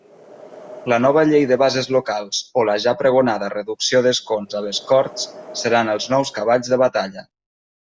La nova llei de bases locals o la ja pregonada reducció d'escons a les Corts seran els nous cavalls de batalla.